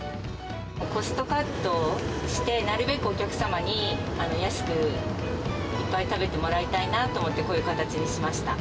コストカットして、なるべくお客様に安くいっぱい食べてもらいたいなと思って、こういう形にしました。